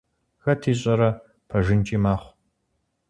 Хэт ищӀэрэ, пэжынкӀи мэхъу…